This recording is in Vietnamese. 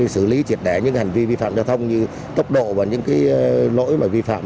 xử lý triệt đẻ những hành vi vi phạm giao thông như tốc độ và những lỗi vi phạm